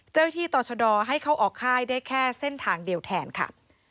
เจ้าหน้าที่ต่อชะดอให้เข้าออกค่ายได้แค่เส้นทางเดียวแทนค่ะ